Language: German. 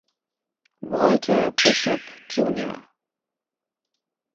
Walter Bishop Jr.